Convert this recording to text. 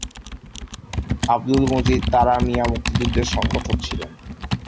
আব্দুল মজিদ তারা মিয়া মুক্তিযুদ্ধের সংগঠক ছিলেন।